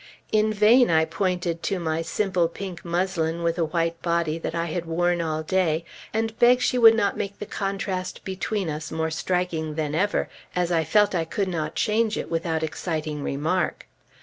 In vain I pointed to my simple pink muslin with a white body that I had worn all day, and begged she would not make the contrast between us more striking than ever, as I felt I could not change it without exciting remark.